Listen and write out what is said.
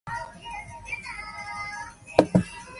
The contestants will have to decide if it is true or not.